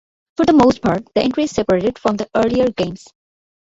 For the most part, this entry is separate from the earlier games.